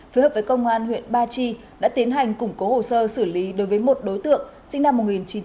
phối hợp với công an huyện ba chi đã tiến hành củng cố hồ sơ xử lý đối với một đối tượng sinh năm một nghìn chín trăm tám mươi